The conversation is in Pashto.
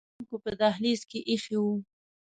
کارکوونکو په دهلیز کې ایښي وو.